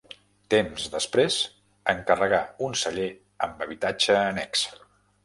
Temps després encarregà un celler amb habitatge annex.